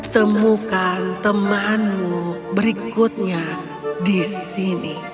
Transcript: temukan temanmu berikutnya di sini